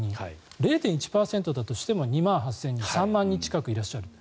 ０．１％だとしても２万８０００人３万人近くいらっしゃる。